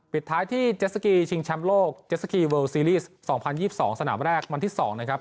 ปิดท้ายที่เจสสกีชิงแชมป์โลกเจสสกีเวิลซีรีส์๒๐๒๒สนามแรกวันที่๒นะครับ